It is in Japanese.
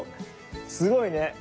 すごいね。